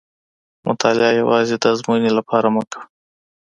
مطالعه یوازې د ازموینې لپاره مه کوه.